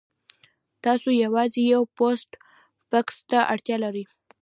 تاسو یوازې یو پوسټ بکس ته اړتیا لرئ